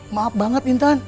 maaf banget intan